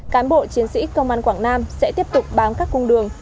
cán bộ chiến sĩ công an quảng nam sẽ tiếp tục bám các cung đường